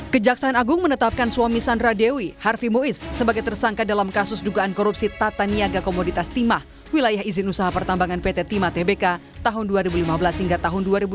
kejaksaan agung menetapkan suami sandra dewi harfi muiz sebagai tersangka dalam kasus dugaan korupsi tata niaga komoditas timah wilayah izin usaha pertambangan pt timah tbk tahun dua ribu lima belas hingga tahun dua ribu dua puluh